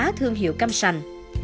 quảng bá thương hiệu cam sành